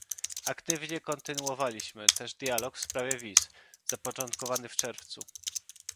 Aktywnie kontynuowaliśmy też dialog w sprawie wiz, zapoczątkowany w czerwcu